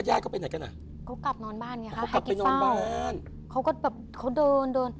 อะเขากลับนอนบ้านไงฮะเขากลับไปนอนบ้านเขาก็แบบเขาเดินเดิน